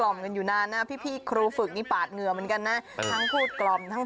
มาทีละครั้ง